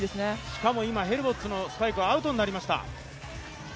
しかも今、ヘルボッツのスパイクがアウトになりました。